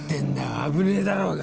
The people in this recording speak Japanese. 危ねぇだろうが。